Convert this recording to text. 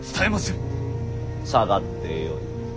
下がってよい。